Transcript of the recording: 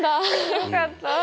よかった！